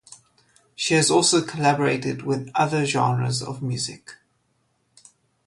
She has also collaborated with other genres of music.